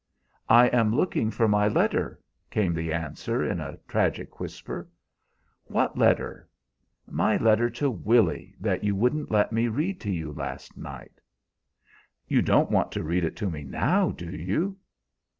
"I am looking for my letter," came the answer, in a tragic whisper. "What letter?" "My letter to Willy, that you wouldn't let me read to you last night." "You don't want to read it to me now, do you?"